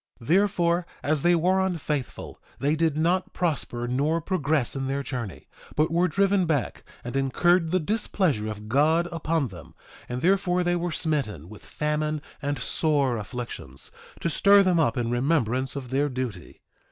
1:17 Therefore, as they were unfaithful they did not prosper nor progress in their journey, but were driven back, and incurred the displeasure of God upon them; and therefore they were smitten with famine and sore afflictions, to stir them up in remembrance of their duty.